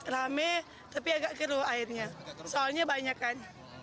rame tapi agak keruh airnya soalnya banyak kan